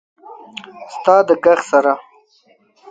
ستا د ږغ سره…